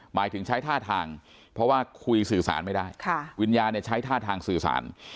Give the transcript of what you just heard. หมายถึงใช้ท่าทางเพราะว่าคุยสื่อสารไม่ได้วิญญาณใช้ท่าทางสื่อสาร